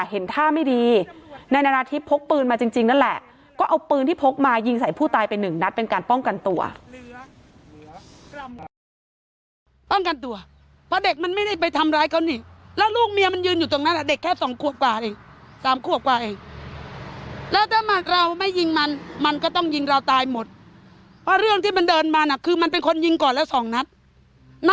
เห็นท่าไม่ดีนายนาราธิบพกปืนมาจริงจริงนั่นแหละก็เอาปืนที่พกมายิงใส่ผู้ตายไปหนึ่งนัดเป็นการป้องกันตัวป้องกันตัวเพราะเด็กมันไม่ได้ไปทำร้ายเขานี่แล้วลูกเมียมันยืนอยู่ตรงนั้นอ่ะเด็กแค่สองขวบกว่าอีกสามขวบกว่าเองแล้วถ้าเราไม่ยิงมันมันก็ต้องยิงเราตายหมดเพราะเรื่องที่มันเดินมาน่ะคือมันเป็นคนยิงก่อนแล้วสองนัดน